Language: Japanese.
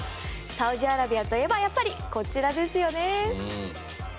サウジアラビアといえばやっぱりこちらですよね。